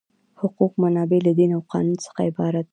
حقوقي منابع له دین او قانون څخه عبارت دي.